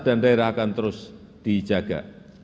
dan daerah akan terus dijaga